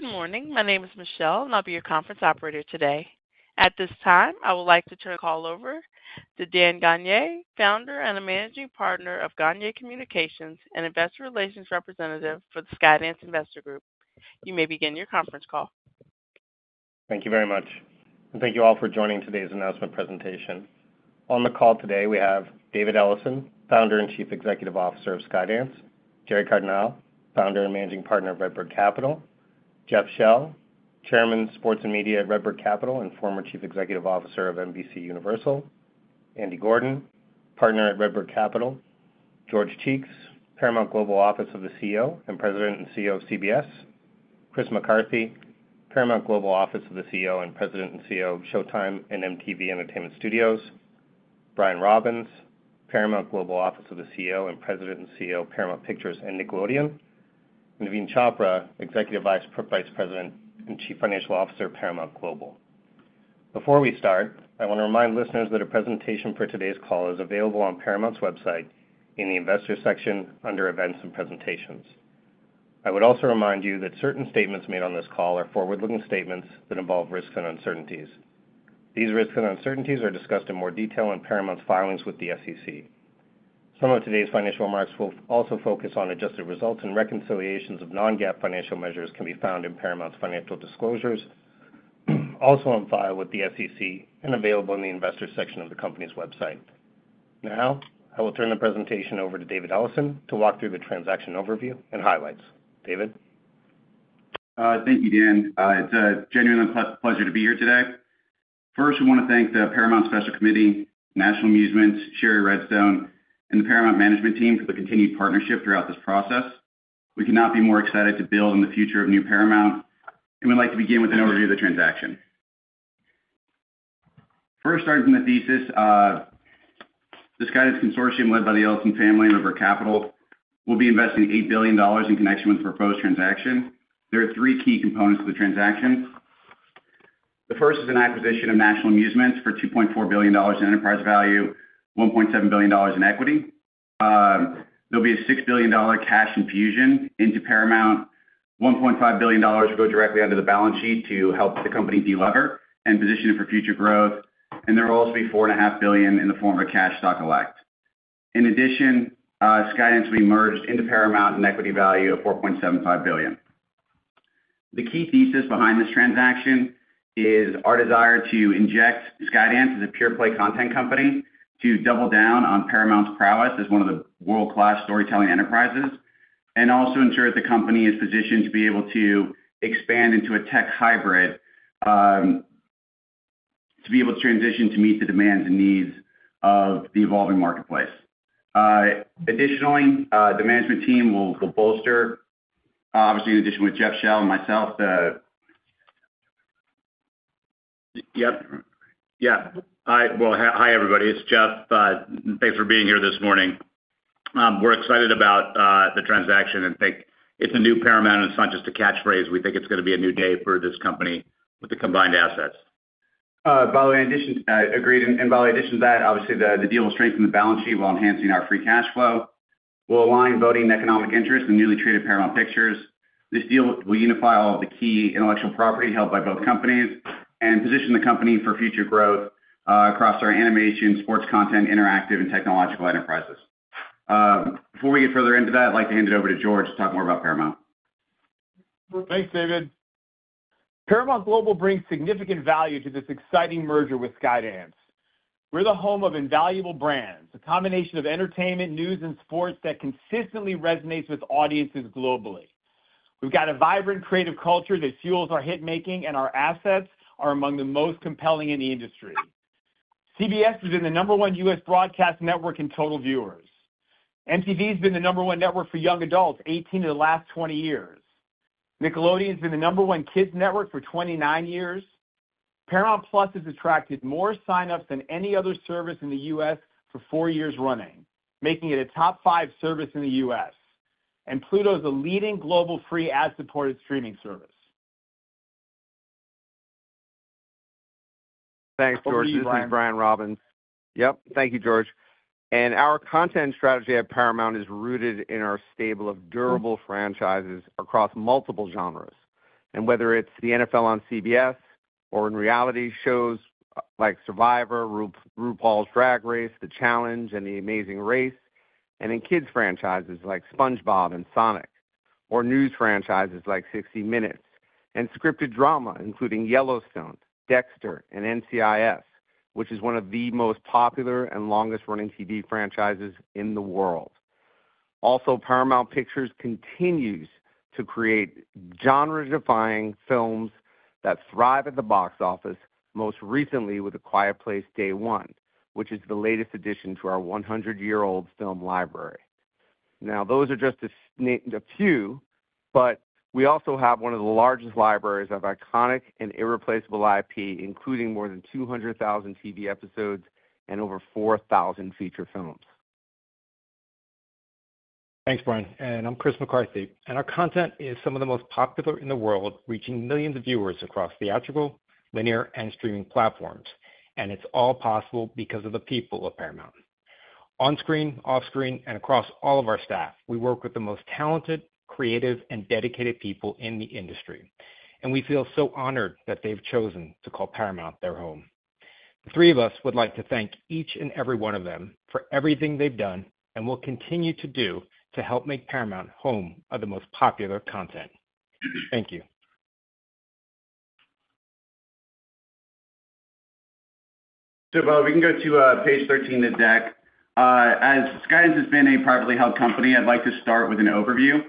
Good morning. My name is Michelle, and I'll be your conference operator today. At this time, I would like to turn the call over to Dan Gagnier, founder and a managing partner of Gagnier Communications and investor relations representative for the Skydance Investor Group. You may begin your conference call. Thank you very much, and thank you all for joining today's announcement presentation. On the call today, we have David Ellison, founder and Chief Executive Officer of Skydance, Gerry Cardinale, founder and Managing Partner of RedBird Capital, Jeff Shell, Chairman, Sports and Media at RedBird Capital and former Chief Executive Officer of NBCUniversal, Andy Gordon, partner at RedBird Capital, George Cheeks, Paramount Global Office of the CEO and President and CEO of CBS, Chris McCarthy, Paramount Global Office of the CEO and President and CEO of Showtime and MTV Entertainment Studios, Brian Robbins, Paramount Global Office of the CEO and President and CEO of Paramount Pictures and Nickelodeon, and Naveen Chopra, Executive Vice President and Chief Financial Officer of Paramount Global. Before we start, I want to remind listeners that a presentation for today's call is available on Paramount's website in the investor section under events and presentations. I would also remind you that certain statements made on this call are forward-looking statements that involve risks and uncertainties. These risks and uncertainties are discussed in more detail in Paramount's filings with the SEC. Some of today's financial remarks will also focus on adjusted results, and reconciliations of non-GAAP financial measures can be found in Paramount's financial disclosures, also on file with the SEC and available in the investor section of the company's website. Now, I will turn the presentation over to David Ellison to walk through the transaction overview and highlights. David. Thank you, Dan. It's a genuine pleasure to be here today. First, I want to thank the Paramount Special Committee, National Amusements, Shari Redstone, and the Paramount management team for the continued partnership throughout this process. We could not be more excited to build on the future of new Paramount, and we'd like to begin with an overview of the transaction. First, starting from the thesis, the Skydance Consortium led by the Ellison family and RedBird Capital will be investing $8 billion in connection with the proposed transaction. There are three key components to the transaction. The first is an acquisition of National Amusements for $2.4 billion in enterprise value, $1.7 billion in equity. There'll be a $6 billion cash infusion into Paramount. $1.5 billion will go directly under the balance sheet to help the company delever and position it for future growth. There will also be $4.5 billion in the form of cash, stock election. In addition, Skydance will be merged into Paramount in equity value of $4.75 billion. The key thesis behind this transaction is our desire to inject Skydance as a pure-play content company to double down on Paramount's prowess as one of the world-class storytelling enterprises and also ensure that the company is positioned to be able to expand into a tech hybrid, to be able to transition to meet the demands and needs of the evolving marketplace. Additionally, the management team will bolster, obviously in addition with Jeff Shell and myself, the— Yep. Yeah. Well, hi, everybody. It's Jeff. Thanks for being here this morning. We're excited about the transaction and think it's a new Paramount, and it's not just a catchphrase. We think it's going to be a new day for this company with the combined assets. By the way, in addition to that, obviously, the deal will strengthen the balance sheet while enhancing our free cash flow. We'll align voting economic interests and newly traded Paramount Pictures. This deal will unify all of the key intellectual property held by both companies and position the company for future growth across our animation, sports content, interactive, and technological enterprises. Before we get further into that, I'd like to hand it over to George to talk more about Paramount. Thanks, David. Paramount Global brings significant value to this exciting merger with Skydance. We're the home of invaluable brands, a combination of entertainment, news, and sports that consistently resonates with audiences globally. We've got a vibrant creative culture that fuels our hit-making, and our assets are among the most compelling in the industry. CBS has been the number one U.S. broadcast network in total viewers. MTV has been the number one network for young adults, 18 of the last 20 years. Nickelodeon has been the number one kids' network for 29 years. Paramount+ has attracted more sign-ups than any other service in the U.S. for four years running, making it a top five service in the U.S. Pluto is a leading global free ad-supported streaming service. Thanks, George. This is Brian Robbins. Thank you, Brian. Yep. Thank you, George. Our content strategy at Paramount is rooted in our stable of durable franchises across multiple genres. Whether it's the NFL on CBS or in reality shows like Survivor, RuPaul's Drag Race, The Challenge, and The Amazing Race, and in kids' franchises like SpongeBob and Sonic, or news franchises like 60 Minutes, and scripted drama including Yellowstone, Dexter, and NCIS, which is one of the most popular and longest-running TV franchises in the world. Also, Paramount Pictures continues to create genre-defying films that thrive at the box office, most recently with A Quiet Place: Day One, which is the latest addition to our 100-year-old film library. Now, those are just a few, but we also have one of the largest libraries of iconic and irreplaceable IP, including more than 200,000 TV episodes and over 4,000 feature films. Thanks, Brian. I'm Chris McCarthy. Our content is some of the most popular in the world, reaching millions of viewers across theatrical, linear, and streaming platforms. It's all possible because of the people of Paramount. On-screen, off-screen, and across all of our staff, we work with the most talented, creative, and dedicated people in the industry. We feel so honored that they've chosen to call Paramount their home. The three of us would like to thank each and every one of them for everything they've done and will continue to do to help make Paramount home of the most popular content. Thank you. We can go to page 13 of the deck. As Skydance has been a privately held company, I'd like to start with an overview.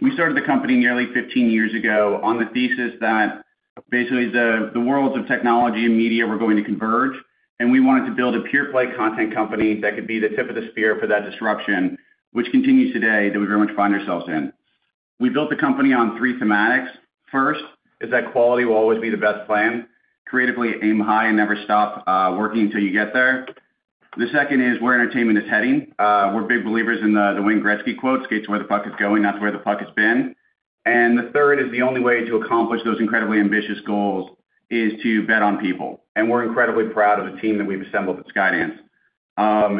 We started the company nearly 15 years ago on the thesis that basically the worlds of technology and media were going to converge, and we wanted to build a pure-play content company that could be the tip of the spear for that disruption, which continues today that we very much find ourselves in. We built the company on three thematics. First is that quality will always be the best plan. Creatively, aim high and never stop working until you get there. The second is where entertainment is heading. We're big believers in the Wayne Gretzky quote, "Skate to where the puck is going, that's where the puck has been." And the third is the only way to accomplish those incredibly ambitious goals is to bet on people. And we're incredibly proud of the team that we've assembled at Skydance.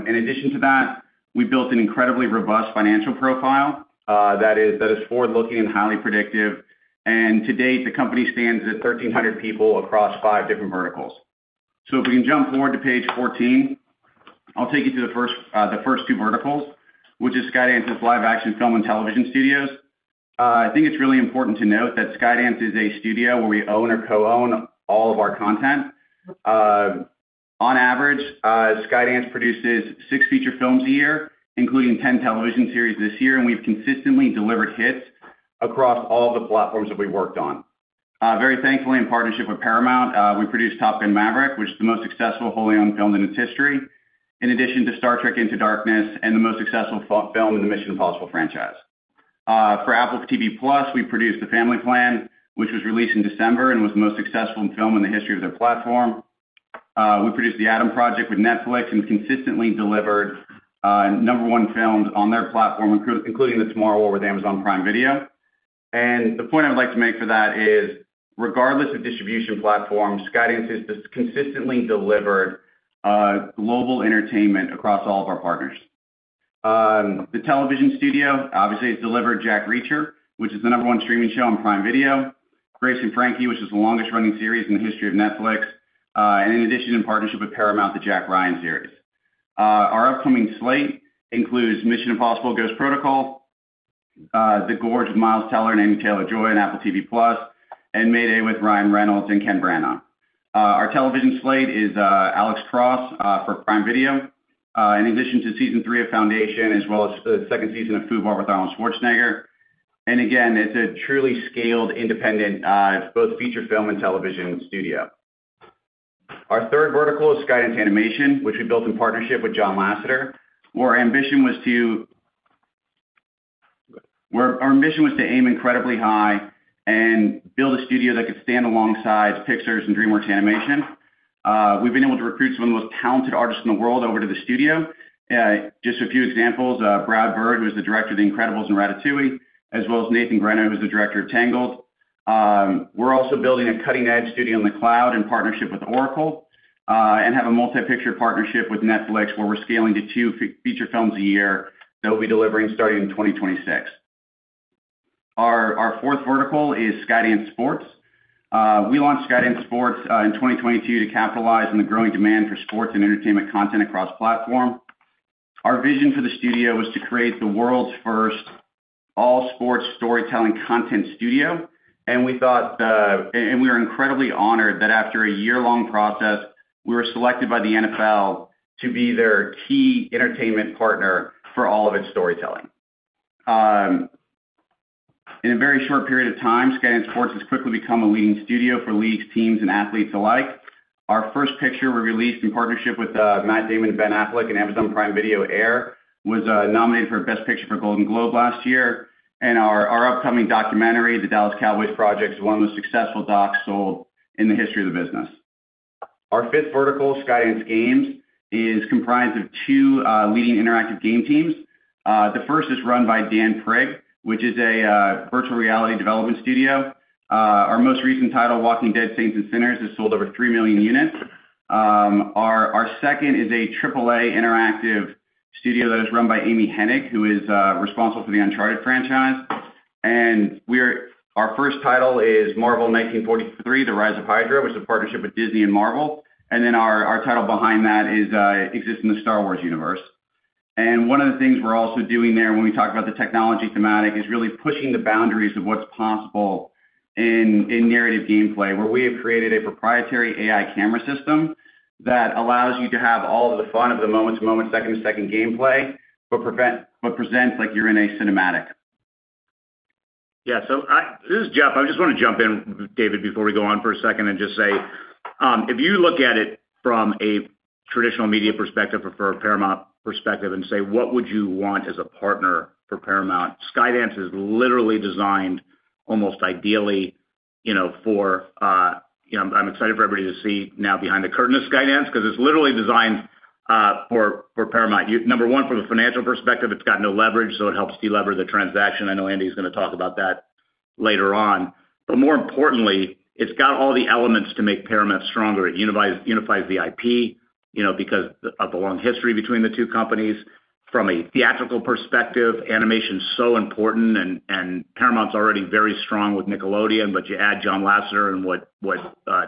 In addition to that, we built an incredibly robust financial profile that is forward-looking and highly predictive. And to date, the company stands at 1,300 people across five different verticals. So if we can jump forward to page 14, I'll take you to the first two verticals, which is Skydance's live-action film and television studios. I think it's really important to note that Skydance is a studio where we own or co-own all of our content. On average, Skydance produces six feature films a year, including 10 television series this year, and we've consistently delivered hits across all of the platforms that we've worked on. Very thankfully, in partnership with Paramount, we produced Top Gun: Maverick, which is the most successful wholly-owned film in its history, in addition to Star Trek Into Darkness and the most successful film in the Mission: Impossible franchise. For Apple TV+, we produced The Family Plan, which was released in December and was the most successful film in the history of their platform. We produced The Adam Project with Netflix and consistently delivered number one films on their platform, including The Tomorrow War with Amazon Prime Video. The point I would like to make for that is, regardless of distribution platform, Skydance has consistently delivered global entertainment across all of our partners. The television studio, obviously, has delivered Jack Reacher, which is the number 1 streaming show on Prime Video, Grace and Frankie, which is the longest-running series in the history of Netflix, and in addition, in partnership with Paramount, the Jack Ryan series. Our upcoming slate includes Mission: Impossible – Ghost Protocol, The Gorge with Miles Teller and Anya Taylor-Joy on Apple TV+, and Mayday with Ryan Reynolds and Ken Branagh. Our television slate is Alex Cross for Prime Video, in addition to season three of Foundation, as well as the second season of FUBAR with Arnold Schwarzenegger. And again, it's a truly scaled, independent, both feature film and television studio. Our third vertical is Skydance Animation, which we built in partnership with John Lasseter. Where our ambition was to aim incredibly high and build a studio that could stand alongside Pixar's and DreamWorks Animation. We've been able to recruit some of the most talented artists in the world over to the studio. Just a few examples: Brad Bird, who is the director of The Incredibles and Ratatouille, as well as Nathan Greno, who is the director of Tangled. We're also building a cutting-edge studio in the cloud in partnership with Oracle and have a multi-picture partnership with Netflix where we're scaling to two feature films a year that we'll be delivering starting in 2026. Our fourth vertical is Skydance Sports. We launched Skydance Sports in 2022 to capitalize on the growing demand for sports and entertainment content across platform. Our vision for the studio was to create the world's first all-sports storytelling content studio, and we thought and we were incredibly honored that after a year-long process, we were selected by the NFL to be their key entertainment partner for all of its storytelling. In a very short period of time, Skydance Sports has quickly become a leading studio for leagues, teams, and athletes alike. Our first picture, released in partnership with Matt Damon and Ben Affleck on Amazon Prime Video, Air, was nominated for Best Picture for Golden Globe last year. Our upcoming documentary, The Dallas Cowboys Project, is one of the most successful docs sold in the history of the business. Our fifth vertical, Skydance Games, is comprised of two leading interactive game teams. The first is run by Dan Prigg, which is a virtual reality development studio. Our most recent title, The Walking Dead: Saints and Sinners, has sold over 3 million units. Our second is a AAA interactive studio that is run by Amy Hennig, who is responsible for the Uncharted franchise. Our first title is Marvel 1943: The Rise of Hydra, which is a partnership with Disney and Marvel. And then our title behind that exists in the Star Wars universe. And one of the things we're also doing there when we talk about the technology thematic is really pushing the boundaries of what's possible in narrative gameplay, where we have created a proprietary AI camera system that allows you to have all of the fun of the moment-to-moment, second-to-second gameplay but presents like you're in a cinematic. Yeah. So this is Jeff. I just want to jump in, David, before we go on for a second and just say, if you look at it from a traditional media perspective or for a Paramount perspective and say, "What would you want as a partner for Paramount?" Skydance is literally designed almost ideally for. I'm excited for everybody to see now behind the curtain of Skydance because it's literally designed for Paramount. Number one, from a financial perspective, it's got no leverage, so it helps delever the transaction. I know Andy is going to talk about that later on. But more importantly, it's got all the elements to make Paramount stronger. It unifies the IP because of the long history between the two companies. From a theatrical perspective, animation is so important, and Paramount's already very strong with Nickelodeon. But you add John Lassiter and what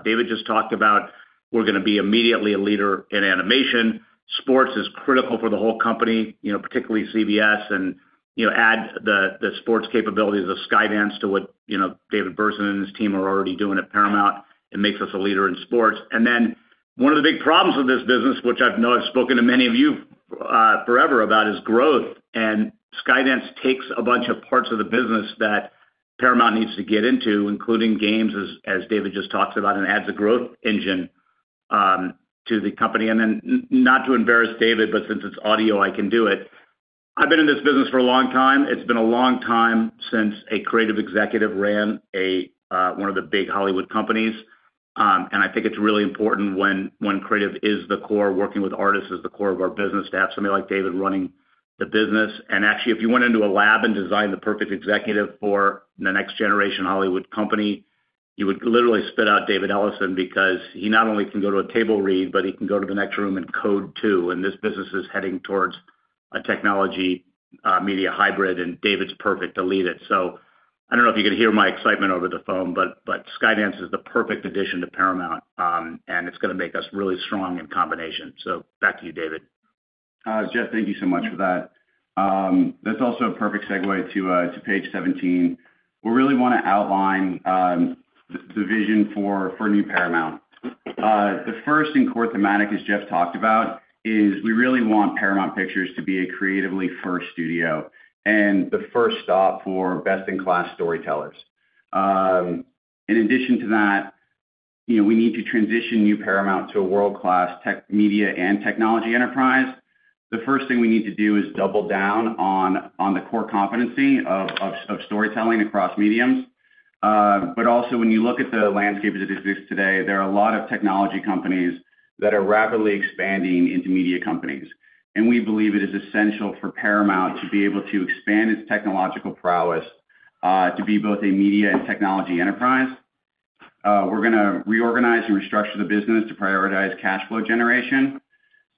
David just talked about, we're going to be immediately a leader in animation. Sports is critical for the whole company, particularly CBS, and add the sports capabilities of Skydance to what David Berson and his team are already doing at Paramount. It makes us a leader in sports. And then one of the big problems of this business, which I know I've spoken to many of you forever about, is growth. And Skydance takes a bunch of parts of the business that Paramount needs to get into, including games, as David just talks about, and adds a growth engine to the company. And then not to embarrass David, but since it's audio, I can do it. I've been in this business for a long time. It's been a long time since a creative executive ran one of the big Hollywood companies. I think it's really important when creative is the core, working with artists is the core of our business, to have somebody like David running the business. Actually, if you went into a lab and designed the perfect executive for the next-generation Hollywood company, you would literally spit out David Ellison because he not only can go to a table read, but he can go to the next room and code too. This business is heading towards a technology media hybrid, and David's perfect to lead it. So I don't know if you can hear my excitement over the phone, but Skydance is the perfect addition to Paramount, and it's going to make us really strong in combination. So back to you, David. Jeff, thank you so much for that. That's also a perfect segue to page 17. We really want to outline the vision for new Paramount. The first and core thematic, as Jeff talked about, is we really want Paramount Pictures to be a creatively first studio and the first stop for best-in-class storytellers. In addition to that, we need to transition new Paramount to a world-class media and technology enterprise. The first thing we need to do is double down on the core competency of storytelling across mediums. But also, when you look at the landscape as it exists today, there are a lot of technology companies that are rapidly expanding into media companies. And we believe it is essential for Paramount to be able to expand its technological prowess to be both a media and technology enterprise. We're going to reorganize and restructure the business to prioritize cash flow generation.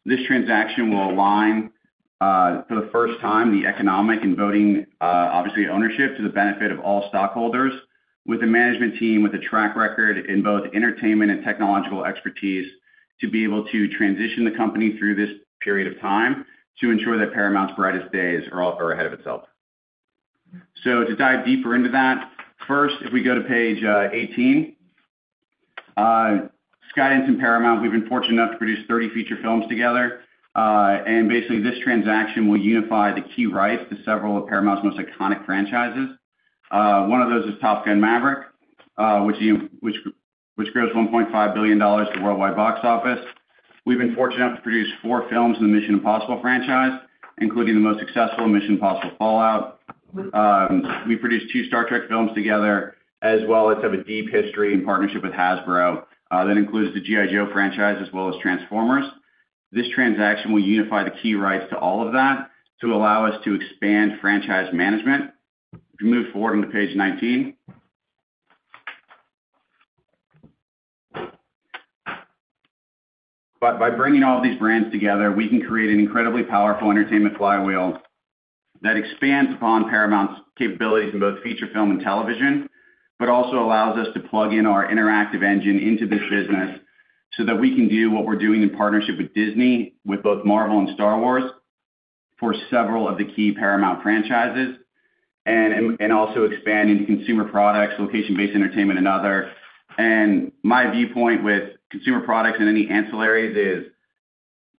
This transaction will align, for the first time, the economic and voting, obviously, ownership to the benefit of all stockholders, with a management team with a track record in both entertainment and technological expertise to be able to transition the company through this period of time to ensure that Paramount's brightest days are ahead of itself. So to dive deeper into that, first, if we go to page 18, Skydance and Paramount, we've been fortunate enough to produce 30 feature films together. And basically, this transaction will unify the key rights to several of Paramount's most iconic franchises. One of those is Top Gun: Maverick, which grossed $1.5 billion at the worldwide box office. We've been fortunate enough to produce four films in the Mission: Impossible franchise, including the most successful, Mission: Impossible – Fallout. We produced 2 Star Trek films together, as well as have a deep history in partnership with Hasbro that includes the G.I. Joe franchise as well as Transformers. This transaction will unify the key rights to all of that to allow us to expand franchise management. If you move forward into page 19. By bringing all of these brands together, we can create an incredibly powerful entertainment flywheel that expands upon Paramount's capabilities in both feature film and television, but also allows us to plug in our interactive engine into this business so that we can do what we're doing in partnership with Disney, with both Marvel and Star Wars, for several of the key Paramount franchises, and also expand into consumer products, location-based entertainment, and others. My viewpoint with consumer products and any ancillaries is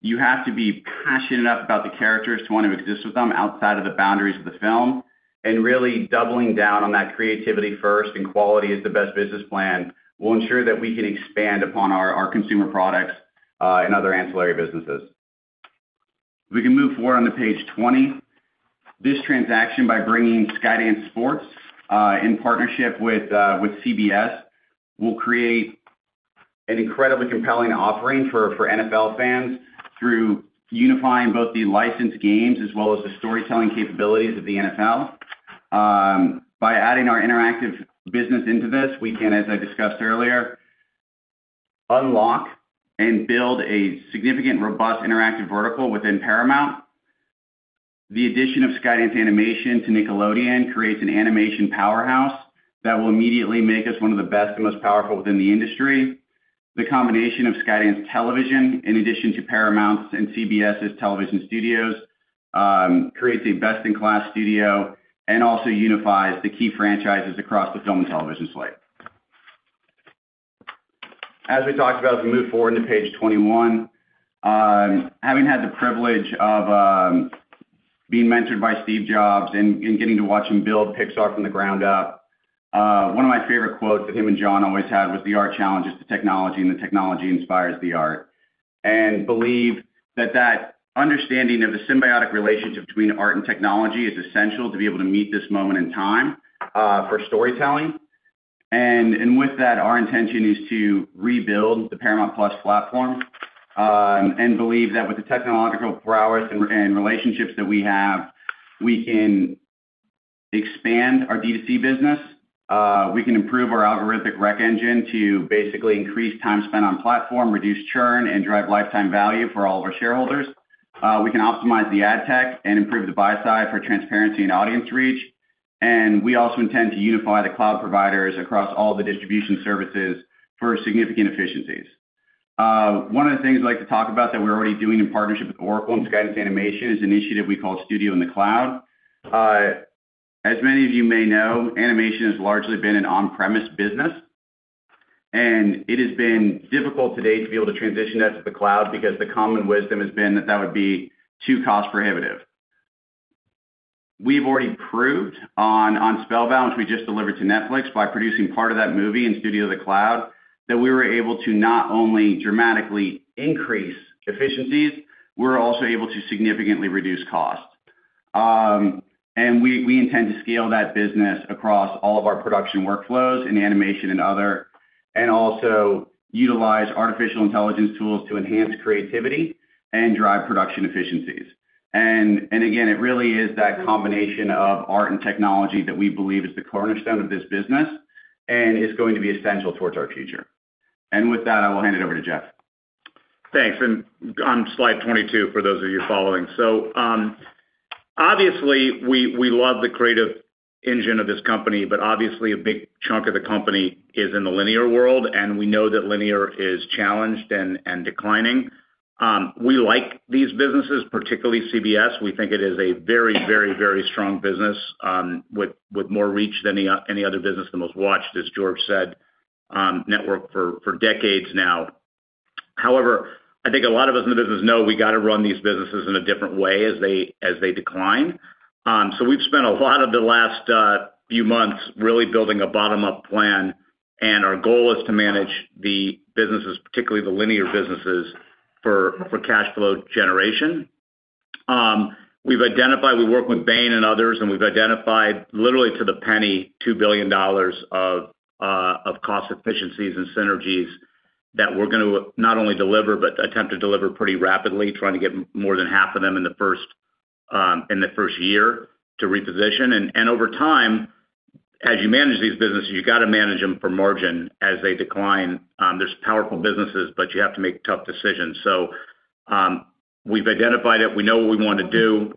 you have to be passionate enough about the characters to want to exist with them outside of the boundaries of the film. Really doubling down on that creativity first and quality as the best business plan will ensure that we can expand upon our consumer products and other ancillary businesses. We can move forward on to page 20. This transaction, by bringing Skydance Sports in partnership with CBS, will create an incredibly compelling offering for NFL fans through unifying both the licensed games as well as the storytelling capabilities of the NFL. By adding our interactive business into this, we can, as I discussed earlier, unlock and build a significant, robust interactive vertical within Paramount. The addition of Skydance Animation to Nickelodeon creates an animation powerhouse that will immediately make us one of the best and most powerful within the industry. The combination of Skydance Television, in addition to Paramount's and CBS's television studios, creates a best-in-class studio and also unifies the key franchises across the film and television slate. As we talked about as we move forward into page 21, having had the privilege of being mentored by Steve Jobs and getting to watch him build Pixar from the ground up, one of my favorite quotes that him and John always had was, "The art challenges the technology, and the technology inspires the art." And believe that that understanding of the symbiotic relationship between art and technology is essential to be able to meet this moment in time for storytelling. And with that, our intention is to rebuild the Paramount+ platform and believe that with the technological prowess and relationships that we have, we can expand our D2C business. We can improve our algorithmic rec engine to basically increase time spent on platform, reduce churn, and drive lifetime value for all of our shareholders. We can optimize the ad tech and improve the buy side for transparency and audience reach. And we also intend to unify the cloud providers across all the distribution services for significant efficiencies. One of the things I'd like to talk about that we're already doing in partnership with Oracle and Skydance Animation is an initiative we call Studio in the Cloud. As many of you may know, animation has largely been an on-premises business. It has been difficult today to be able to transition that to the cloud because the common wisdom has been that that would be too cost-prohibitive. We've already proved on Spellbound, which we just delivered to Netflix by producing part of that movie in Studio in the Cloud, that we were able to not only dramatically increase efficiencies, we were also able to significantly reduce cost. We intend to scale that business across all of our production workflows in animation and other and also utilize artificial intelligence tools to enhance creativity and drive production efficiencies. Again, it really is that combination of art and technology that we believe is the cornerstone of this business and is going to be essential towards our future. With that, I will hand it over to Jeff. Thanks. And on slide 22, for those of you following. So obviously, we love the creative engine of this company, but obviously, a big chunk of the company is in the linear world, and we know that linear is challenged and declining. We like these businesses, particularly CBS. We think it is a very, very, very strong business with more reach than any other business, the most watched, as George said, network for decades now. However, I think a lot of us in the business know we got to run these businesses in a different way as they decline. So we've spent a lot of the last few months really building a bottom-up plan, and our goal is to manage the businesses, particularly the linear businesses, for cash flow generation. We've identified we work with Bain and others, and we've identified literally to the penny $2 billion of cost efficiencies and synergies that we're going to not only deliver but attempt to deliver pretty rapidly, trying to get more than half of them in the first year to reposition. And over time, as you manage these businesses, you got to manage them for margin as they decline. There's powerful businesses, but you have to make tough decisions. So we've identified it. We know what we want to do,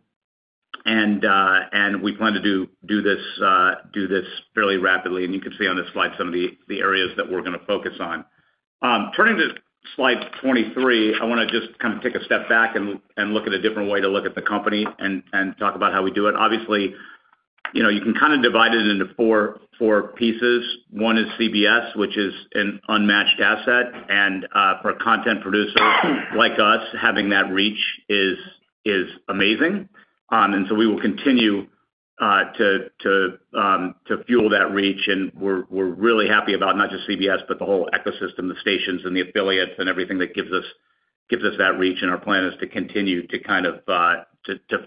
and we plan to do this fairly rapidly. And you can see on this slide some of the areas that we're going to focus on. Turning to slide 23, I want to just kind of take a step back and look at a different way to look at the company and talk about how we do it. Obviously, you can kind of divide it into four pieces. One is CBS, which is an unmatched asset. For a content producer like us, having that reach is amazing. So we will continue to fuel that reach. We're really happy about not just CBS, but the whole ecosystem, the stations, and the affiliates and everything that gives us that reach. Our plan is to continue to kind of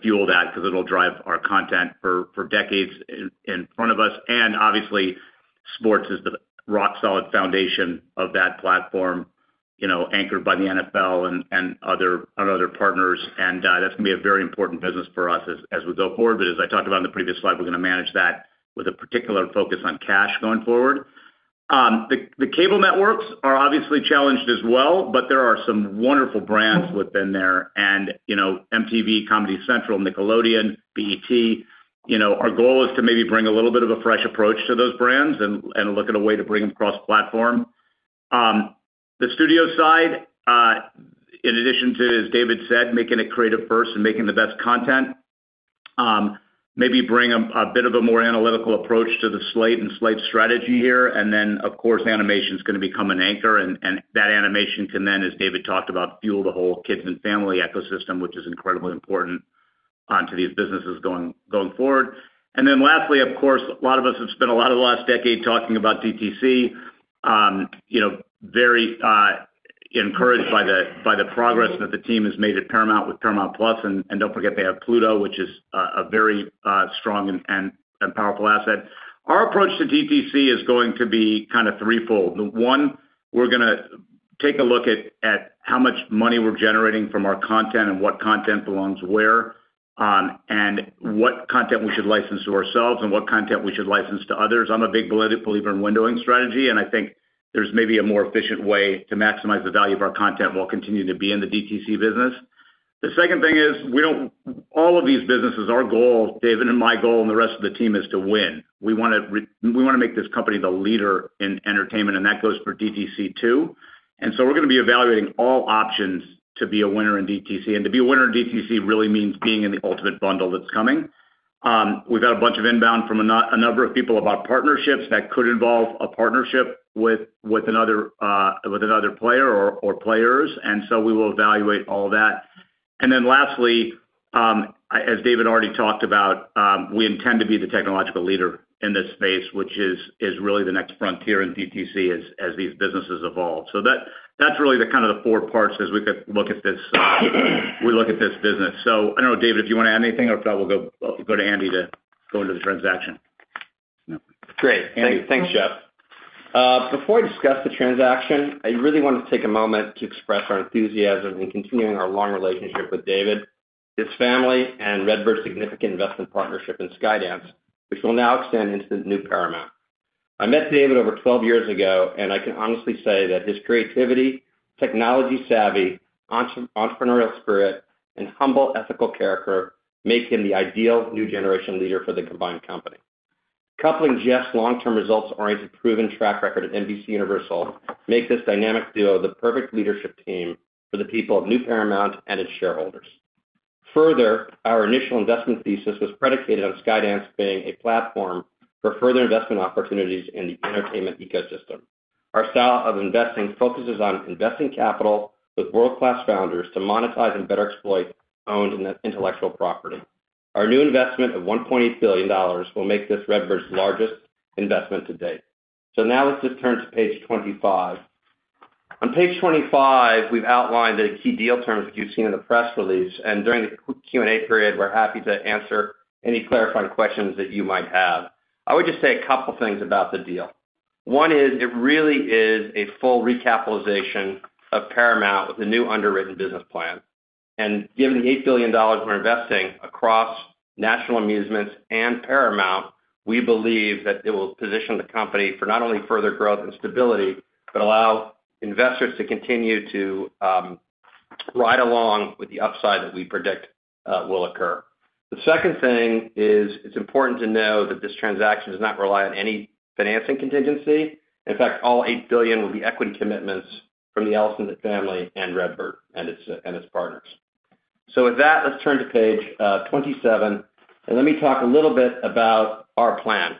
fuel that because it'll drive our content for decades in front of us. Obviously, sports is the rock-solid foundation of that platform anchored by the NFL and other partners. That's going to be a very important business for us as we go forward. But as I talked about on the previous slide, we're going to manage that with a particular focus on cash going forward. The cable networks are obviously challenged as well, but there are some wonderful brands within there. MTV, Comedy Central, Nickelodeon, BET—our goal is to maybe bring a little bit of a fresh approach to those brands and look at a way to bring them cross-platform. The studio side, in addition to, as David said, making it creative first and making the best content, maybe bring a bit of a more analytical approach to the slate and slate strategy here. Then, of course, animation is going to become an anchor. And that animation can then, as David talked about, fuel the whole kids and family ecosystem, which is incredibly important to these businesses going forward. And then lastly, of course, a lot of us have spent a lot of the last decade talking about DTC, very encouraged by the progress that the team has made at Paramount with Paramount+. And don't forget, they have Pluto, which is a very strong and powerful asset. Our approach to DTC is going to be kind of threefold. One, we're going to take a look at how much money we're generating from our content and what content belongs where and what content we should license to ourselves and what content we should license to others. I'm a big believer in windowing strategy, and I think there's maybe a more efficient way to maximize the value of our content while continuing to be in the DTC business. The second thing is all of these businesses, our goal, David, and my goal, and the rest of the team is to win. We want to make this company the leader in entertainment, and that goes for DTC too. We're going to be evaluating all options to be a winner in DTC. To be a winner in DTC really means being in the Ultimate bundle that's coming. We've got a bunch of inbound from a number of people about partnerships that could involve a partnership with another player or players. We will evaluate all that. Lastly, as David already talked about, we intend to be the technological leader in this space, which is really the next frontier in DTC as these businesses evolve. So that's really kind of the four parts as we look at this business. So I don't know, David, if you want to add anything, or if not, we'll go to Andy to go into the transaction. Great. Thanks, Jeff. Before I discuss the transaction, I really wanted to take a moment to express our enthusiasm in continuing our long relationship with David, his family, and RedBird's significant investment partnership in Skydance, which will now extend into the new Paramount. I met David over 12 years ago, and I can honestly say that his creativity, technology-savvy, entrepreneurial spirit, and humble ethical character make him the ideal new generation leader for the combined company. Coupling Jeff's long-term results-oriented, proven track record at NBCUniversal makes this dynamic duo the perfect leadership team for the people of new Paramount and its shareholders. Further, our initial investment thesis was predicated on Skydance being a platform for further investment opportunities in the entertainment ecosystem. Our style of investing focuses on investing capital with world-class founders to monetize and better exploit owned intellectual property. Our new investment of $1.8 billion will make this RedBird's largest investment to date. Now let's just turn to page 25. On page 25, we've outlined the key deal terms that you've seen in the press release. During the Q&A period, we're happy to answer any clarifying questions that you might have. I would just say a couple of things about the deal. One is it really is a full recapitalization of Paramount with a new underwritten business plan. Given the $8 billion we're investing across National Amusements and Paramount, we believe that it will position the company for not only further growth and stability, but allow investors to continue to ride along with the upside that we predict will occur. The second thing is it's important to know that this transaction does not rely on any financing contingency. In fact, all $8 billion will be equity commitments from the Ellison family and RedBird and its partners. With that, let's turn to page 27. Let me talk a little bit about our plan.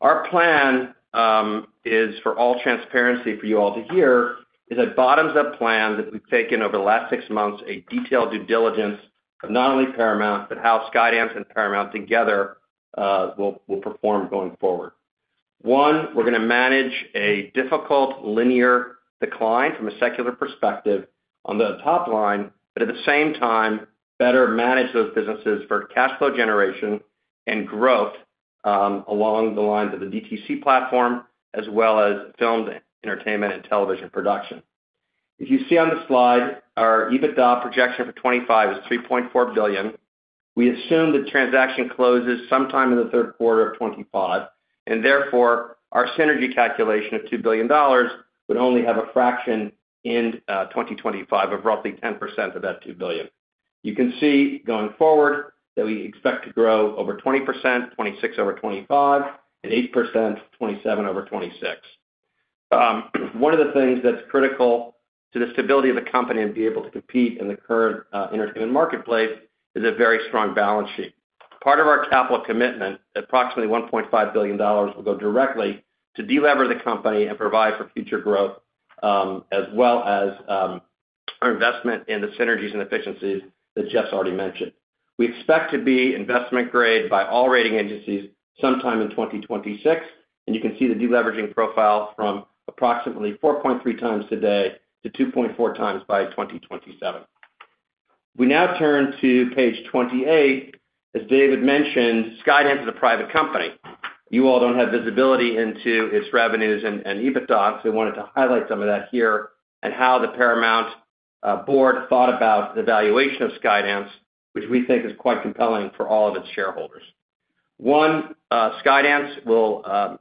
Our plan is, for all transparency for you all to hear, is a bottoms-up plan that we've taken over the last six months, a detailed due diligence of not only Paramount, but how Skydance and Paramount together will perform going forward. One, we're going to manage a difficult linear decline from a secular perspective on the top line, but at the same time, better manage those businesses for cash flow generation and growth along the lines of the DTC platform as well as film, entertainment, and television production. If you see on the slide, our EBITDA projection for 2025 is $3.4 billion. We assume the transaction closes sometime in the third quarter of 2025. And therefore, our synergy calculation of $2 billion would only have a fraction in 2025 of roughly 10% of that $2 billion. You can see going forward that we expect to grow over 20%, 26% over 2025, and 8%, 27% over 2026. One of the things that's critical to the stability of the company and be able to compete in the current entertainment marketplace is a very strong balance sheet. Part of our capital commitment, approximately $1.5 billion, will go directly to de-lever the company and provide for future growth as well as our investment in the synergies and efficiencies that Jeff's already mentioned. We expect to be investment-grade by all rating agencies sometime in 2026. You can see the deleveraging profile from approximately 4.3x today to 2.4x by 2027. We now turn to page 28. As David mentioned, Skydance is a private company. You all don't have visibility into its revenues and EBITDA, so we wanted to highlight some of that here and how the Paramount board thought about the valuation of Skydance, which we think is quite compelling for all of its shareholders. One, Skydance will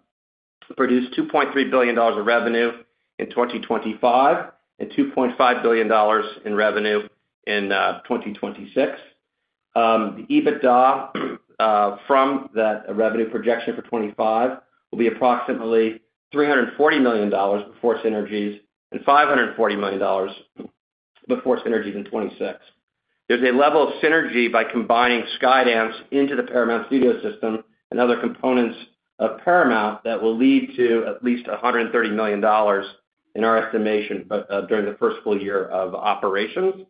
produce $2.3 billion of revenue in 2025 and $2.5 billion in revenue in 2026. The EBITDA from that revenue projection for 2025 will be approximately $340 million before synergies and $540 million before synergies in 2026. There's a level of synergy by combining Skydance into the Paramount Studio system and other components of Paramount that will lead to at least $130 million in our estimation during the first full year of operations.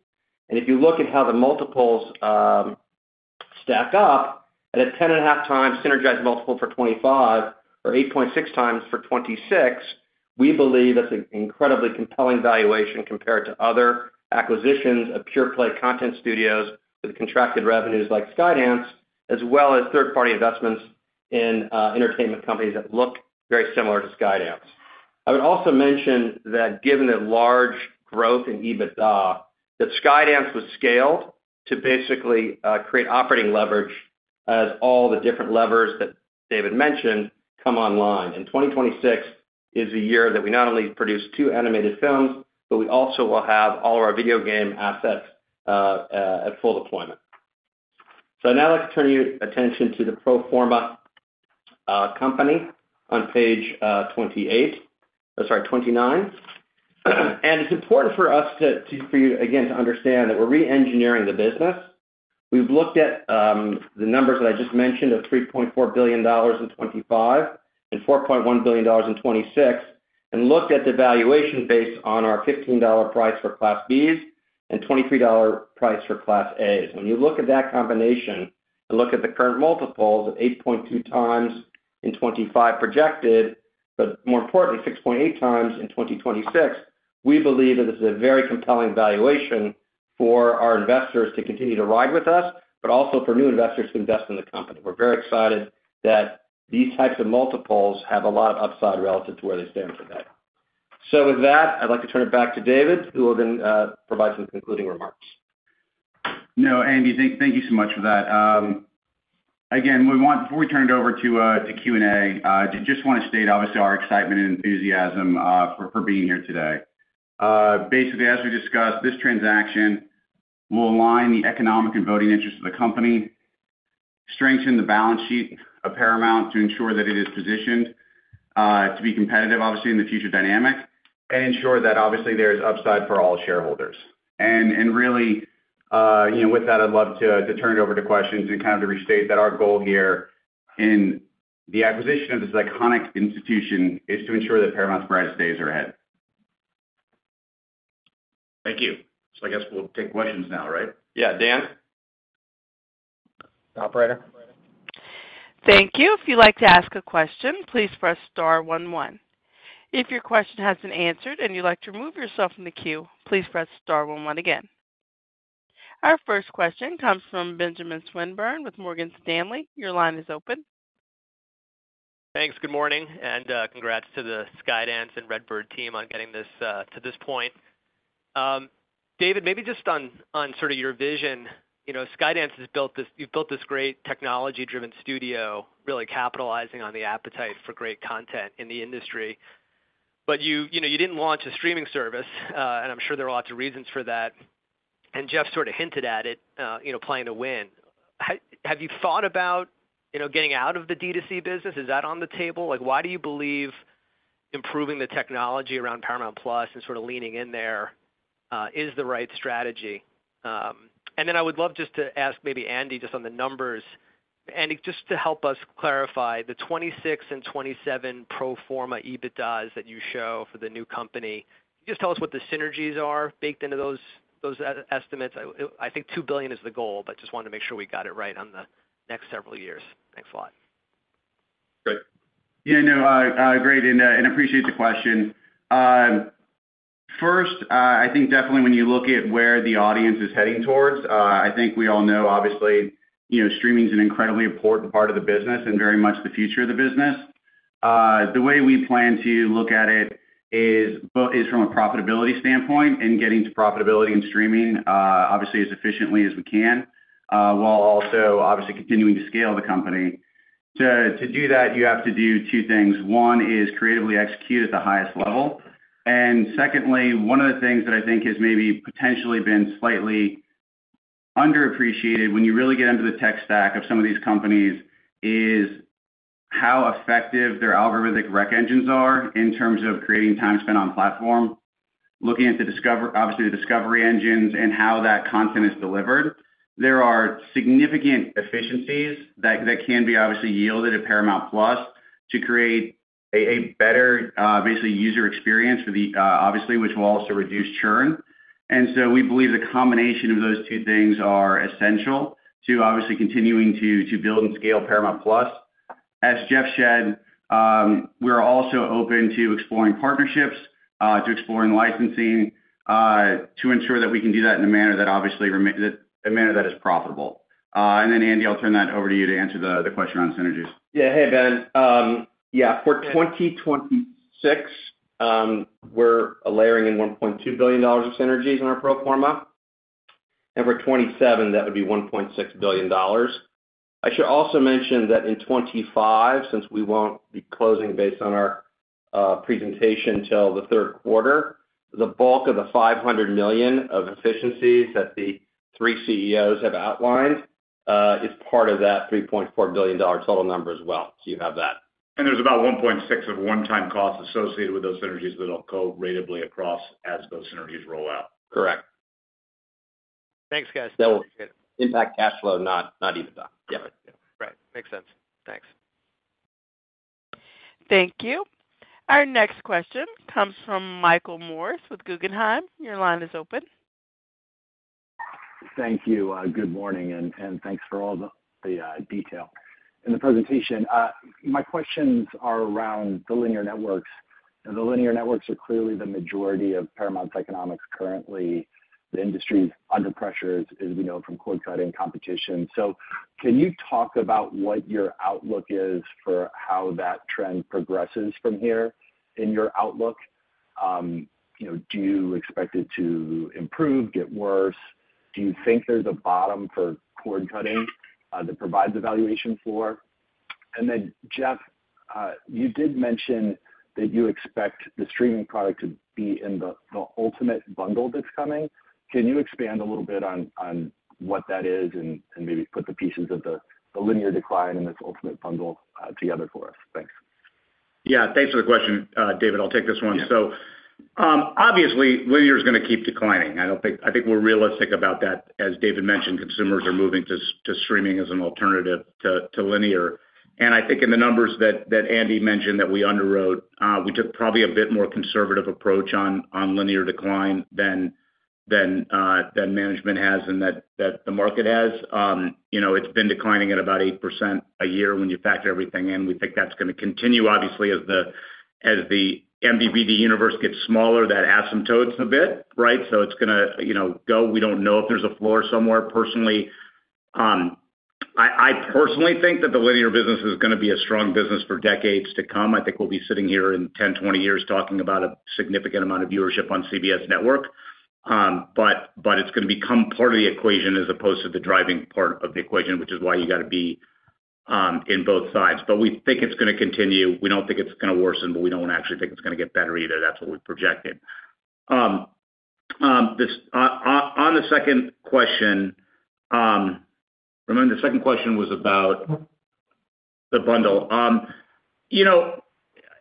If you look at how the multiples stack up at a 10.5x synergized multiple for 2025 or 8.6x for 2026, we believe that's an incredibly compelling valuation compared to other acquisitions of pure-play content studios with contracted revenues like Skydance, as well as third-party investments in entertainment companies that look very similar to Skydance. I would also mention that given the large growth in EBITDA, that Skydance was scaled to basically create operating leverage as all the different levers that David mentioned come online. 2026 is the year that we not only produce 2 animated films, but we also will have all of our video game assets at full deployment. Now I'd like to turn your attention to the pro forma company on page 28 or sorry, 29. It's important for us to, again, to understand that we're re-engineering the business. We've looked at the numbers that I just mentioned of $3.4 billion in 2025 and $4.1 billion in 2026 and looked at the valuation based on our $15 price for Class Bs and $23 price for Class As. When you look at that combination and look at the current multiples of 8.2x in 2025 projected, but more importantly, 6.8x in 2026, we believe that this is a very compelling valuation for our investors to continue to ride with us, but also for new investors to invest in the company. We're very excited that these types of multiples have a lot of upside relative to where they stand today. So with that, I'd like to turn it back to David, who will then provide some concluding remarks. No, Andy, thank you so much for that. Again, before we turn it over to Q&A, I just want to state, obviously, our excitement and enthusiasm for being here today. Basically, as we discussed, this transaction will align the economic and voting interests of the company, strengthen the balance sheet of Paramount to ensure that it is positioned to be competitive, obviously, in the future dynamic, and ensure that, obviously, there is upside for all shareholders. And really, with that, I'd love to turn it over to questions and kind of to restate that our goal here in the acquisition of this iconic institution is to ensure that Paramount's brightest days are ahead. Thank you. So I guess we'll take questions now, right? Yeah. Dan? Operator. Thank you. If you'd like to ask a question, please press star 11. If your question has been answered and you'd like to remove yourself from the queue, please press star 11 again. Our first question comes from Benjamin Swinburne with Morgan Stanley. Your line is open. Thanks. Good morning. Congrats to the Skydance and RedBird team on getting this to this point. David, maybe just on sort of your vision, Skydance has built this, you've built this great technology-driven studio, really capitalizing on the appetite for great content in the industry. But you didn't launch a streaming service, and I'm sure there are lots of reasons for that. And Jeff sort of hinted at it, playing to win. Have you thought about getting out of the DTC business? Is that on the table? Why do you believe improving the technology around Paramount Plus and sort of leaning in there is the right strategy? And then I would love just to ask maybe Andy just on the numbers. Andy, just to help us clarify, the 26 and 27 pro forma EBITDAs that you show for the new company, just tell us what the synergies are baked into those estimates. I think $2 billion is the goal, but just wanted to make sure we got it right on the next several years. Thanks a lot. Great. Yeah. No, great. I appreciate the question. First, I think definitely when you look at where the audience is heading towards, I think we all know, obviously, streaming is an incredibly important part of the business and very much the future of the business. The way we plan to look at it is from a profitability standpoint and getting to profitability and streaming, obviously, as efficiently as we can, while also, obviously, continuing to scale the company. To do that, you have to do two things. One is creatively execute at the highest level. And secondly, one of the things that I think has maybe potentially been slightly underappreciated when you really get into the tech stack of some of these companies is how effective their algorithmic rec engines are in terms of creating time spent on platform, looking at, obviously, the discovery engines and how that content is delivered. There are significant efficiencies that can be, obviously, yielded at Paramount+ to create a better, basically, user experience, obviously, which will also reduce churn. And so we believe the combination of those two things are essential to, obviously, continuing to build and scale Paramount+. As Jeff said, we're also open to exploring partnerships, to exploring licensing, to ensure that we can do that in a manner that, obviously, a manner that is profitable. And then, Andy, I'll turn that over to you to answer the question around synergies. Yeah. Hey, Ben. Yeah. For 2026, we're layering in $1.2 billion of synergies in our pro forma. For 2027, that would be $1.6 billion. I should also mention that in 2025, since we won't be closing based on our presentation until the third quarter, the bulk of the $500 million of efficiencies that the three CEOs have outlined is part of that $3.4 billion total number as well. You have that. There's about $1.6 billion of one-time costs associated with those synergies that will go ratably across as those synergies roll out. Correct. Thanks, guys. That will impact cash flow, not EBITDA. Yeah. Right. Right. Makes sense. Thanks. Thank you. Our next question comes from Michael Morris with Guggenheim. Your line is open. Thank you. Good morning. Thanks for all the detail in the presentation. My questions are around the linear networks. The linear networks are clearly the majority of Paramount's economics currently. The industry's under pressure, as we know, from cord-cutting competition. So can you talk about what your outlook is for how that trend progresses from here in your outlook? Do you expect it to improve, get worse? Do you think there's a bottom for cord cutting that provides valuation for? And then, Jeff, you did mention that you expect the streaming product to be in the ultimate bundle that's coming. Can you expand a little bit on what that is and maybe put the pieces of the linear decline in this ultimate bundle together for us? Thanks. Yeah. Thanks for the question, David. I'll take this one. So obviously, linear is going to keep declining. I think we're realistic about that. As David mentioned, consumers are moving to streaming as an alternative to linear. And I think in the numbers that Andy mentioned that we underwrote, we took probably a bit more conservative approach on linear decline than management has and that the market has. It's been declining at about 8% a year when you factor everything in. We think that's going to continue, obviously, as the MVPD universe gets smaller, that asymptotes a bit, right? So it's going to go. We don't know if there's a floor somewhere. Personally, I personally think that the linear business is going to be a strong business for decades to come. I think we'll be sitting here in 10, 20 years talking about a significant amount of viewership on CBS network. But it's going to become part of the equation as opposed to the driving part of the equation, which is why you got to be in both sides. But we think it's going to continue. We don't think it's going to worsen, but we don't actually think it's going to get better either. That's what we projected. On the second question, remember, the second question was about the bundle.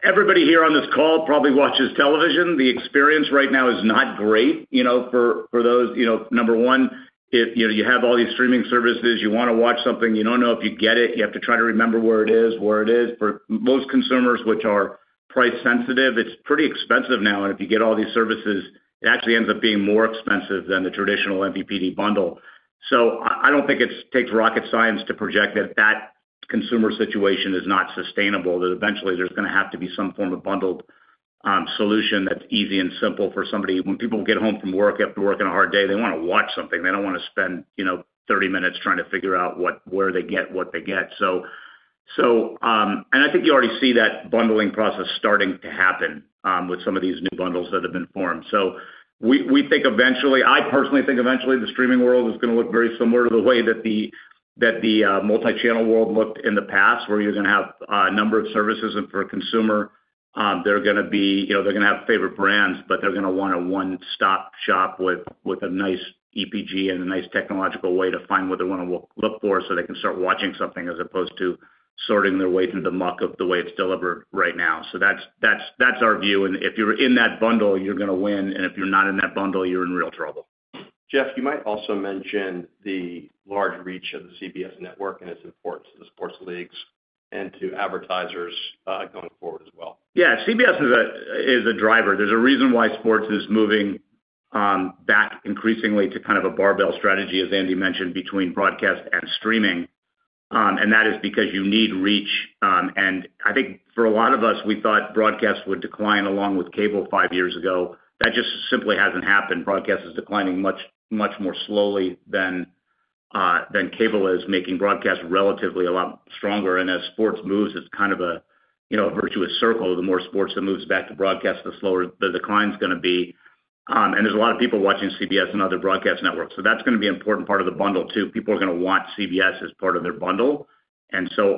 Everybody here on this call probably watches television. The experience right now is not great for those. Number one, you have all these streaming services. You want to watch something. You don't know if you get it. You have to try to remember where it is, where it is. For most consumers, which are price-sensitive, it's pretty expensive now. If you get all these services, it actually ends up being more expensive than the traditional MVPD bundle. So I don't think it takes rocket science to project that that consumer situation is not sustainable, that eventually there's going to have to be some form of bundled solution that's easy and simple for somebody. When people get home from work after working a hard day, they want to watch something. They don't want to spend 30 minutes trying to figure out where they get what they get. And I think you already see that bundling process starting to happen with some of these new bundles that have been formed. So we think eventually - I personally think eventually the streaming world is going to look very similar to the way that the multi-channel world looked in the past, where you're going to have a number of services. And for a consumer, they're going to be—they're going to have favorite brands, but they're going to want a one-stop shop with a nice EPG and a nice technological way to find what they want to look for so they can start watching something as opposed to sorting their way through the muck of the way it's delivered right now. So that's our view. And if you're in that bundle, you're going to win. And if you're not in that bundle, you're in real trouble. Jeff, you might also mention the large reach of the CBS Network and its importance to the sports leagues and to advertisers going forward as well. Yeah. CBS is a driver. There's a reason why sports is moving back increasingly to kind of a barbell strategy, as Andy mentioned, between broadcast and streaming. And that is because you need reach. And I think for a lot of us, we thought broadcast would decline along with cable five years ago. That just simply hasn't happened. Broadcast is declining much, much more slowly than cable is, making broadcast relatively a lot stronger. And as sports moves, it's kind of a virtuous circle. The more sports that moves back to broadcast, the slower the decline is going to be. And there's a lot of people watching CBS and other broadcast networks. So that's going to be an important part of the bundle too. People are going to watch CBS as part of their bundle.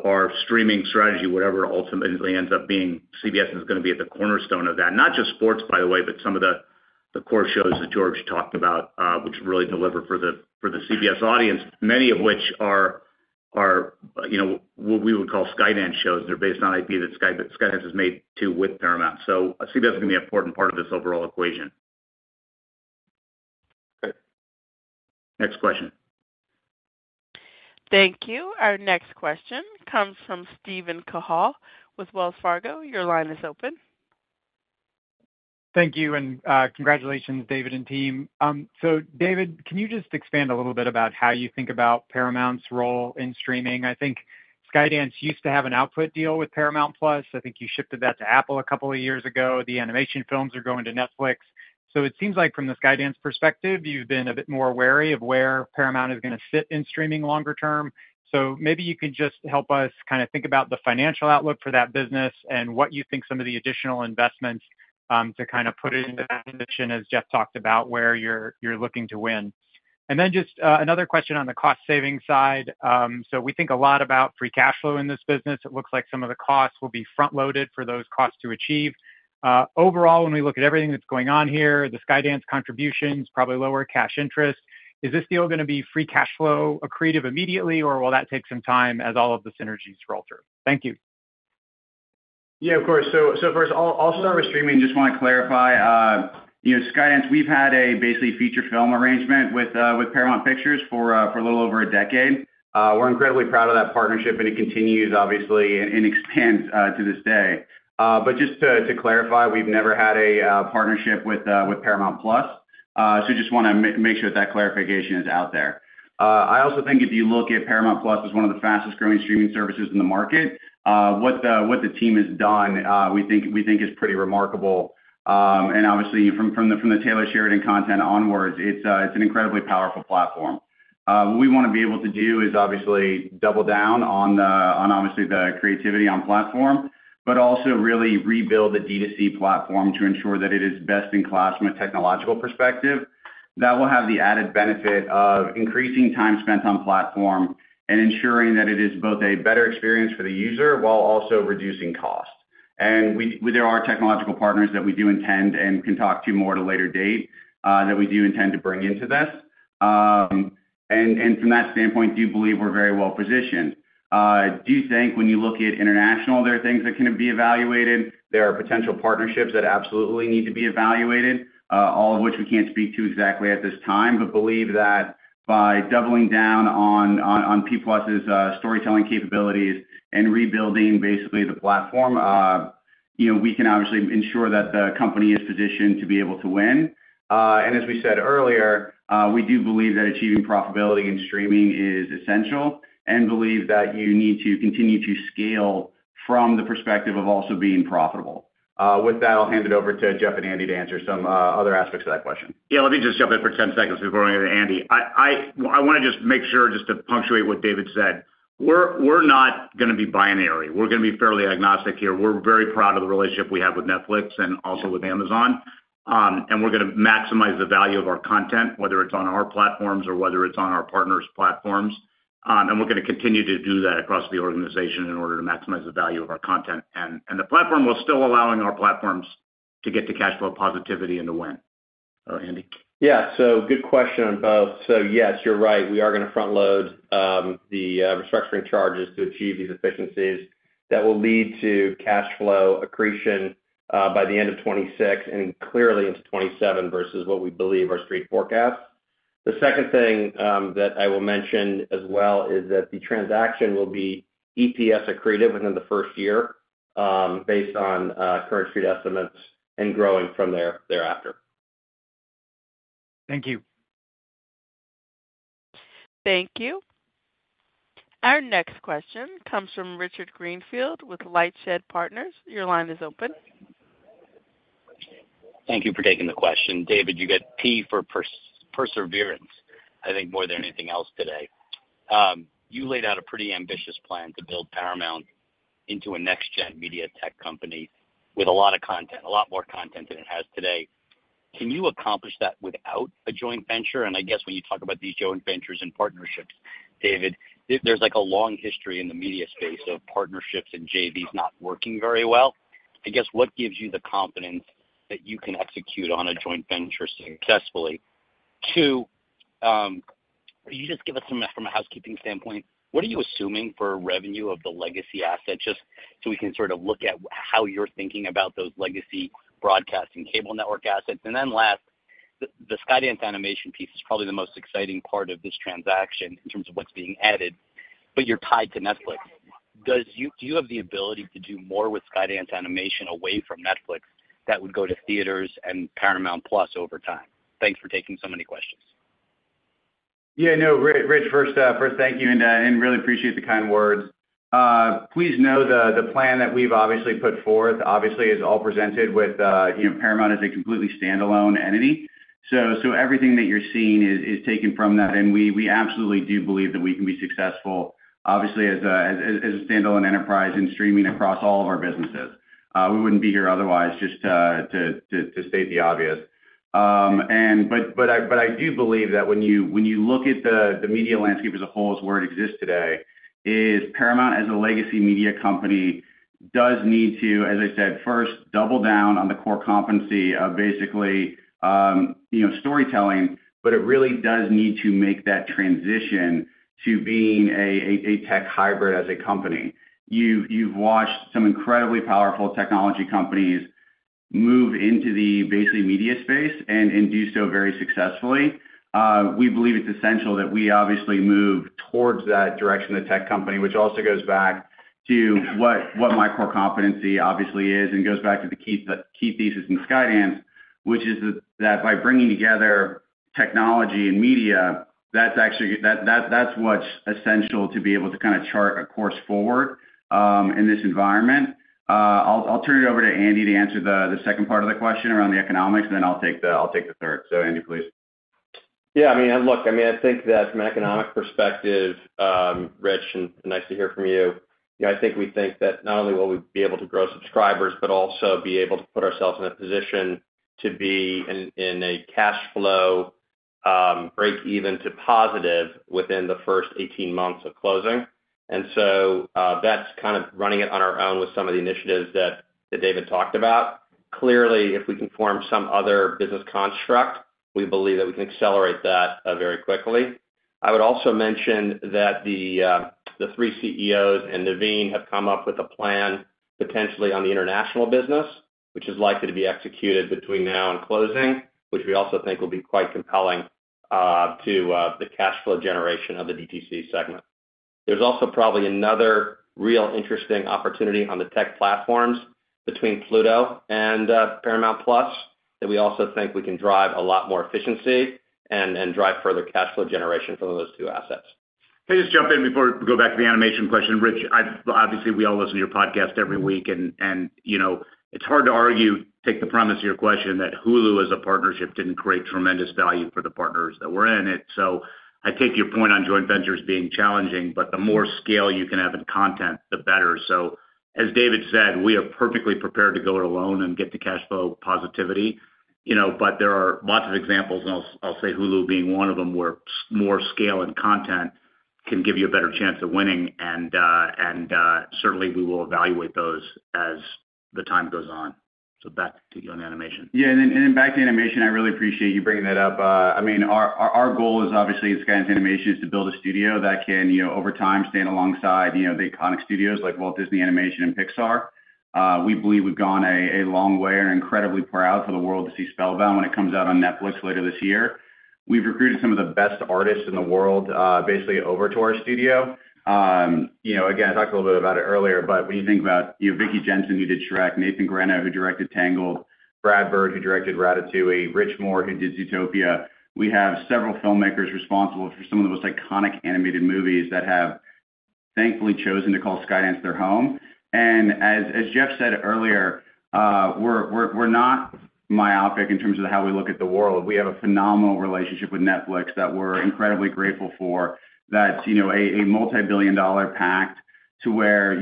Our streaming strategy, whatever it ultimately ends up being, CBS is going to be at the cornerstone of that. Not just sports, by the way, but some of the core shows that George talked about, which really deliver for the CBS audience, many of which are what we would call Skydance shows. They're based on an idea that Skydance is made to do with Paramount. CBS is going to be an important part of this overall equation. Great. Next question. Thank you. Our next question comes from Steven Cahall with Wells Fargo. Your line is open. Thank you. Congratulations, David and team. David, can you just expand a little bit about how you think about Paramount's role in streaming? I think Skydance used to have an output deal with Paramount Plus. I think you shifted that to Apple a couple of years ago. The animation films are going to Netflix. It seems like from the Skydance perspective, you've been a bit more wary of where Paramount is going to sit in streaming longer term. Maybe you can just help us kind of think about the financial outlook for that business and what you think some of the additional investments to kind of put it into that position, as Jeff talked about, where you're looking to win. Then just another question on the cost-saving side. We think a lot about free cash flow in this business. It looks like some of the costs will be front-loaded for those costs to achieve. Overall, when we look at everything that's going on here, the Skydance contributions, probably lower cash interest, is this deal going to be free cash flow accretive immediately, or will that take some time as all of the synergies roll through? Thank you. Yeah, of course. First, I'll start with streaming. Just want to clarify. Skydance, we've had a basically feature film arrangement with Paramount Pictures for a little over a decade. We're incredibly proud of that partnership, and it continues, obviously, and expands to this day. But just to clarify, we've never had a partnership with Paramount+. So just want to make sure that that clarification is out there. I also think if you look at Paramount+ as one of the fastest-growing streaming services in the market, what the team has done, we think, is pretty remarkable. And obviously, from the Taylor Sheridan content onwards, it's an incredibly powerful platform. What we want to be able to do is obviously double down on, obviously, the creativity on platform, but also really rebuild the DTC platform to ensure that it is best in class from a technological perspective. That will have the added benefit of increasing time spent on platform and ensuring that it is both a better experience for the user while also reducing cost. There are technological partners that we do intend and can talk to more at a later date that we do intend to bring into this. From that standpoint, do you believe we're very well positioned? Do you think when you look at international, there are things that can be evaluated? There are potential partnerships that absolutely need to be evaluated, all of which we can't speak to exactly at this time, but believe that by doubling down on Paramount+'s storytelling capabilities and rebuilding basically the platform, we can obviously ensure that the company is positioned to be able to win. As we said earlier, we do believe that achieving profitability in streaming is essential and believe that you need to continue to scale from the perspective of also being profitable. With that, I'll hand it over to Jeff and Andy to answer some other aspects of that question. Yeah. Let me just jump in for 10 seconds before I go to Andy. I want to just make sure just to punctuate what David said. We're not going to be binary. We're going to be fairly agnostic here. We're very proud of the relationship we have with Netflix and also with Amazon. And we're going to maximize the value of our content, whether it's on our platforms or whether it's on our partners' platforms. And we're going to continue to do that across the organization in order to maximize the value of our content. And the platform will still allow our platforms to get to cash flow positivity and to win. Or Andy? Yeah. So good question on both. So yes, you're right. We are going to front-load the restructuring charges to achieve these efficiencies. That will lead to cash flow accretion by the end of 2026 and clearly into 2027 versus what we believe our Street forecasts. The second thing that I will mention as well is that the transaction will be EPS accretive within the first year based on current Street estimates and growing from thereafter. Thank you. Thank you. Our next question comes from Richard Greenfield with LightShed Partners. Your line is open. Thank you for taking the question. David, you get P for perseverance, I think, more than anything else today. You laid out a pretty ambitious plan to build Paramount into a next-gen media tech company with a lot of content, a lot more content than it has today. Can you accomplish that without a joint venture? And I guess when you talk about these joint ventures and partnerships, David, there's a long history in the media space of partnerships and JVs not working very well. I guess what gives you the confidence that you can execute on a joint venture successfully? Two, can you just give us from a housekeeping standpoint, what are you assuming for revenue of the legacy asset? Just so we can sort of look at how you're thinking about those legacy broadcast and cable network assets. And then last, the Skydance Animation piece is probably the most exciting part of this transaction in terms of what's being added, but you're tied to Netflix. Do you have the ability to do more with Skydance Animation away from Netflix that would go to theaters and Paramount+ over time? Thanks for taking so many questions. Yeah. No, Rich, first, thank you. Really appreciate the kind words. Please know the plan that we've obviously put forth, obviously, is all presented with Paramount as a completely standalone entity. Everything that you're seeing is taken from that. We absolutely do believe that we can be successful, obviously, as a standalone enterprise in streaming across all of our businesses. We wouldn't be here otherwise, just to state the obvious. But I do believe that when you look at the media landscape as a whole, as where it exists today, Paramount, as a legacy media company, does need to, as I said, first, double down on the core competency of basically storytelling, but it really does need to make that transition to being a tech hybrid as a company. You've watched some incredibly powerful technology companies move into the basically media space and do so very successfully. We believe it's essential that we obviously move towards that direction of tech company, which also goes back to what my core competency obviously is and goes back to the key thesis in Skydance, which is that by bringing together technology and media, that's what's essential to be able to kind of chart a course forward in this environment. I'll turn it over to Andy to answer the second part of the question around the economics, and then I'll take the third. So Andy, please. Yeah. I mean, look, I mean, I think that from an economic perspective, Rich, and nice to hear from you, I think we think that not only will we be able to grow subscribers, but also be able to put ourselves in a position to be in a cash flow break-even to positive within the first 18 months of closing. And so that's kind of running it on our own with some of the initiatives that David talked about. Clearly, if we can form some other business construct, we believe that we can accelerate that very quickly. I would also mention that the three CEOs and Naveen have come up with a plan potentially on the international business, which is likely to be executed between now and closing, which we also think will be quite compelling to the cash flow generation of the DTC segment. There's also probably another real interesting opportunity on the tech platforms between Pluto and Paramount+ that we also think we can drive a lot more efficiency and drive further cash flow generation from those two assets. Can I just jump in before we go back to the animation question? Rich, obviously, we all listen to your podcast every week. It's hard to argue, take the premise of your question, that Hulu as a partnership didn't create tremendous value for the partners that were in it. I take your point on joint ventures being challenging, but the more scale you can have in content, the better. As David said, we are perfectly prepared to go it alone and get to cash flow positivity. There are lots of examples, and I'll say Hulu being one of them, where more scale and content can give you a better chance of winning. Certainly, we will evaluate those as the time goes on. Back to you on animation. Yeah. Then back to animation, I really appreciate you bringing that up. I mean, our goal is obviously at Skydance Animation is to build a studio that can, over time, stand alongside the iconic studios like Walt Disney Animation and Pixar. We believe we've gone a long way and are incredibly proud for the world to see Spellbound when it comes out on Netflix later this year. We've recruited some of the best artists in the world basically over to our studio. Again, I talked a little bit about it earlier, but when you think about Vicky Jenson, who did Shrek, Nathan Greno, who directed Tangled, Brad Bird, who directed Ratatouille, Rich Moore, who did Zootopia. We have several filmmakers responsible for some of the most iconic animated movies that have, thankfully, chosen to call Skydance their home. As Jeff said earlier, we're not myopic in terms of how we look at the world. We have a phenomenal relationship with Netflix that we're incredibly grateful for, that's a multi-billion-dollar pact to where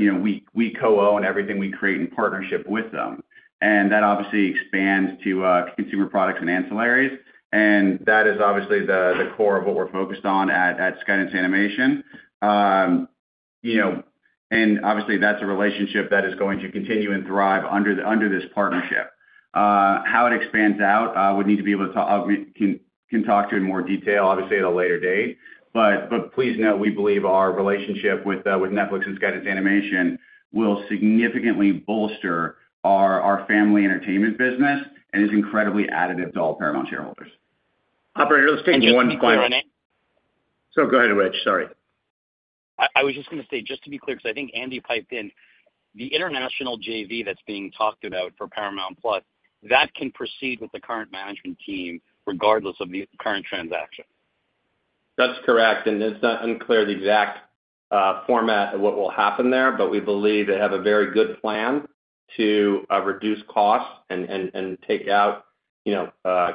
we co-own everything we create in partnership with them. That obviously expands to consumer products and ancillaries. That is obviously the core of what we're focused on at Skydance Animation. Obviously, that's a relationship that is going to continue and thrive under this partnership. How it expands out, we need to be able to talk to in more detail, obviously, at a later date. But please know we believe our relationship with Netflix and Skydance Animation will significantly bolster our family entertainment business and is incredibly additive to all Paramount shareholders. Operator, let's take one question. You can go ahead, Andy. Go ahead, Rich. Sorry. I was just going to say, just to be clear, because I think Andy piped in, the international JV that's being talked about for Paramount+, that can proceed with the current management team regardless of the current transaction. That's correct. It's not unclear the exact format of what will happen there, but we believe they have a very good plan to reduce costs and take out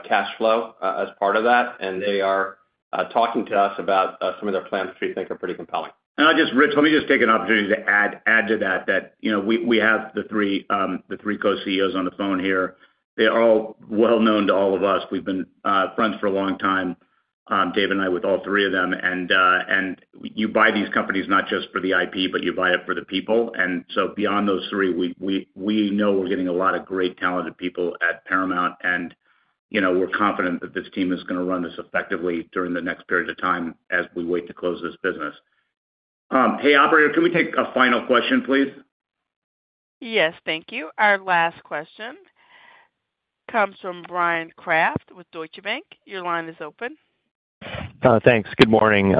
cash flow as part of that. They are talking to us about some of their plans which we think are pretty compelling. And I'll just, Rich, let me just take an opportunity to add to that that we have the three co-CEOs on the phone here. They are all well-known to all of us. We've been friends for a long time, David and I, with all three of them. And you buy these companies not just for the IP, but you buy it for the people. And so beyond those three, we know we're getting a lot of great talented people at Paramount, and we're confident that this team is going to run this effectively during the next period of time as we wait to close this business. Hey, Operator, can we take a final question, please? Yes. Thank you. Our last question comes from Bryan Kraft with Deutsche Bank. Your line is open. Thanks. Good morning.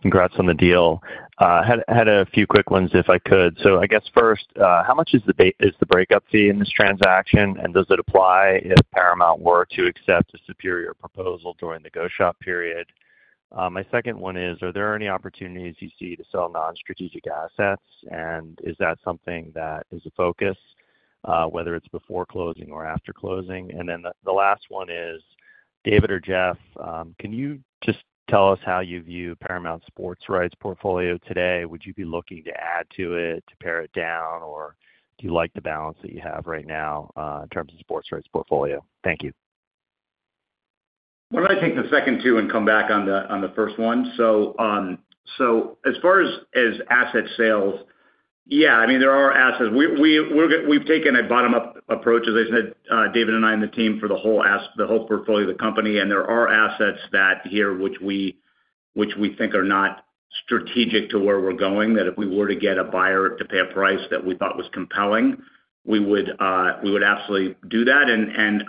Congrats on the deal. Had a few quick ones if I could. So I guess first, how much is the breakup fee in this transaction, and does it apply if Paramount were to accept a superior proposal during the go-shop period? My second one is, are there any opportunities you see to sell non-strategic assets, and is that something that is a focus, whether it's before closing or after closing? And then the last one is, David or Jeff, can you just tell us how you view Paramount sports rights portfolio today? Would you be looking to add to it, to pare it down, or do you like the balance that you have right now in terms of sports rights portfolio? Thank you. I'm going to take the second two and come back on the first one. So as far as asset sales, yeah, I mean, there are assets. We've taken a bottom-up approach, as I said, David and I and the team for the whole portfolio of the company. And there are assets here which we think are not strategic to where we're going, that if we were to get a buyer to pay a price that we thought was compelling, we would absolutely do that. And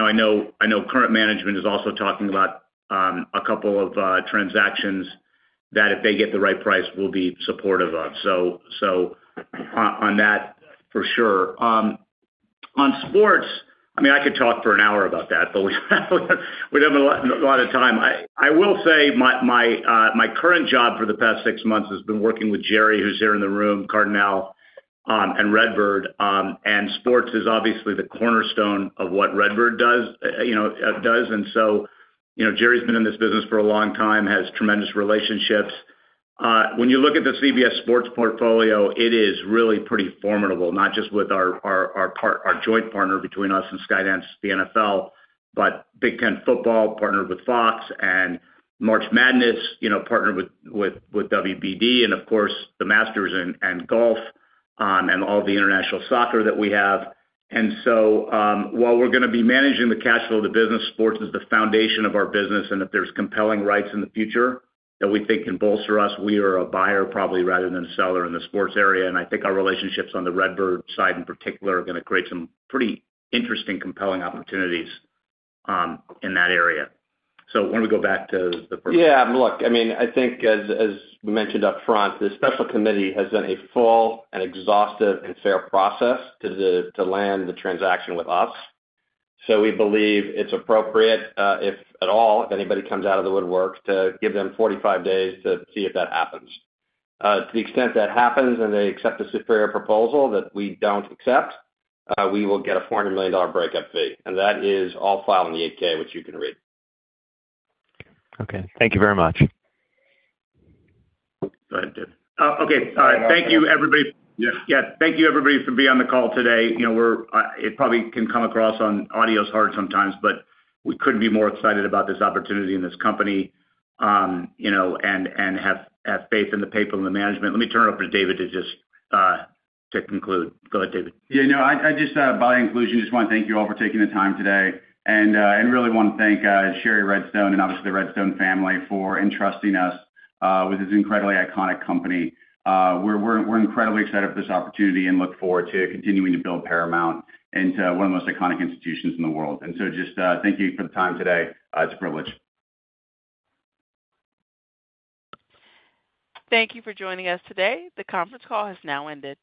I know current management is also talking about a couple of transactions that if they get the right price, we'll be supportive of. So on that, for sure. On sports, I mean, I could talk for an hour about that, but we don't have a lot of time. I will say my current job for the past six months has been working with Jerry Cardinale, who's here in the room, and RedBird. And sports is obviously the cornerstone of what RedBird does. And so Jerry's been in this business for a long time, has tremendous relationships. When you look at the CBS Sports portfolio, it is really pretty formidable, not just with our joint partner between us and Skydance, the NFL, but Big Ten Football partnered with Fox and March Madness partnered with WBD, and of course, the Masters and golf and all the international soccer that we have. And so while we're going to be managing the cash flow of the business, sports is the foundation of our business. And if there's compelling rights in the future that we think can bolster us, we are a buyer probably rather than a seller in the sports area. I think our relationships on the RedBird side in particular are going to create some pretty interesting, compelling opportunities in that area. So why don't we go back to the first one? Yeah. Look, I mean, I think, as we mentioned upfront, the Special committee has been a full and exhaustive and fair process to land the transaction with us. So we believe it's appropriate, if at all, if anybody comes out of the woodwork, to give them 45 days to see if that happens. To the extent that happens and they accept a superior proposal that we don't accept, we will get a $400 million breakup fee. And that is all filed in the 8-K, which you can read. Okay. Thank you very much. Go ahead, David. Okay. Thank you, everybody. Yeah. Yes. Thank you, everybody, for being on the call today. It probably can come across on audio's hard sometimes, but we couldn't be more excited about this opportunity in this company and have faith in the people and the management. Let me turn it over to David to just conclude. Go ahead, David. Yeah. No, I just, in conclusion, just want to thank you all for taking the time today. And really want to thank Shari Redstone and obviously the Redstone family for entrusting us with this incredibly iconic company. We're incredibly excited for this opportunity and look forward to continuing to build Paramount into one of the most iconic institutions in the world. And so just thank you for the time today. It's a privilege. Thank you for joining us today. The conference call has now ended.